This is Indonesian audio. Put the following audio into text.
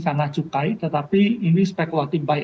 karena cukai tetapi ini speculative buy